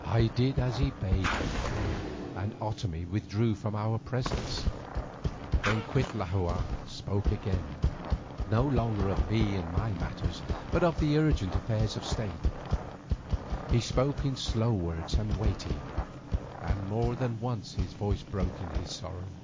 I did as he bade me, and Otomie withdrew from our presence. Then Cuitlahua spoke again, no longer of me and my matters, but of the urgent affairs of state. He spoke in slow words and weighty, and more than once his voice broke in his sorrow.